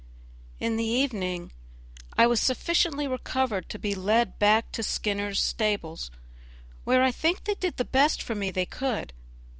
In the evening I was sufficiently recovered to be led back to Skinner's stables, where I think they did the best for me they could.